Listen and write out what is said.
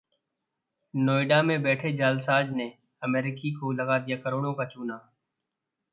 नोएडा में बैठे जालसाज ने अमेरिकी को लगा दिया करोड़ों का चूना